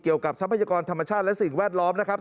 ทรัพยากรธรรมชาติและสิ่งแวดล้อมนะครับ